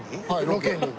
ロケに。